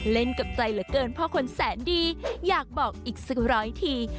เล่นกับใจเหลือเกินพ่อคนแสนดีอยากบอกอีกสักร้อยที